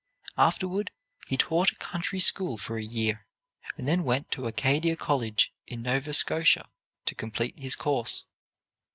Afterward, he taught a country school for a year, and then went to Acadia College in Nova Scotia to complete his course.